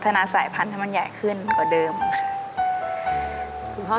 ที่อยู่กันวันนี้ก็เพราะลูกครับ